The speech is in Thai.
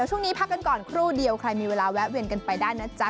ช่วงนี้พักกันก่อนครู่เดียวใครมีเวลาแวะเวียนกันไปได้นะจ๊ะ